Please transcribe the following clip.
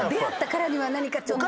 何かちょっと。